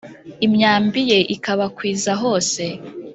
imyambi ye ikabakwiza hose,